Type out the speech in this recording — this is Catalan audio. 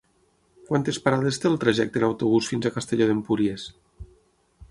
Quantes parades té el trajecte en autobús fins a Castelló d'Empúries?